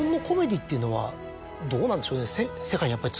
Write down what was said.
どうなんでしょうね？